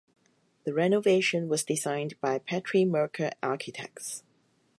The renovation was designed by Patri Merker Architects.